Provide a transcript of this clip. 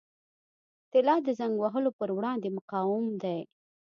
طلا د زنګ وهلو پر وړاندې مقاوم دی.